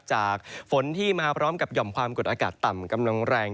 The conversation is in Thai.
ฝนที่มาพร้อมกับหย่อมความกดอากาศต่ำกำลังแรง